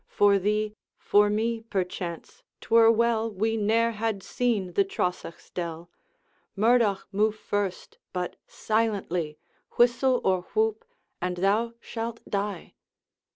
For thee for me, perchance 't were well We ne'er had seen the Trosachs' dell. Murdoch, move first but silently; Whistle or whoop, and thou shalt die!'